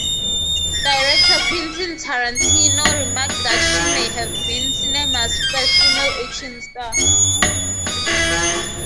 Director Quentin Tarantino remarked that she may have been cinema's first female action star.